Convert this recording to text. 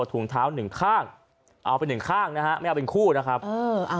ถุงเท้าหนึ่งข้างเอาไปหนึ่งข้างนะฮะไม่เอาเป็นคู่นะครับเอออ่า